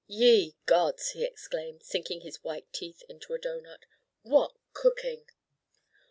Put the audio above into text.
"Ye gods!" he exclaimed, sinking his white teeth into a doughnut, "what cooking!